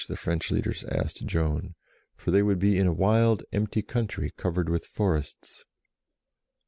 the French leaders asked Joan : for they would be in a wild, empty country covered with forests.